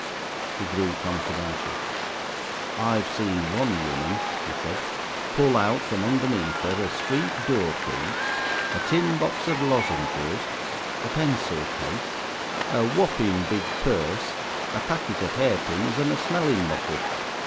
He grew confidential. "I've seen one woman," he said, "pull out from underneath 'er a street doorkey, a tin box of lozengers, a pencil case, a whopping big purse, a packet of hair pins, and a smelling bottle.